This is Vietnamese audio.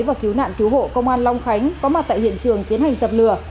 và cứu nạn cứu hộ công an long khánh có mặt tại hiện trường tiến hành dập lửa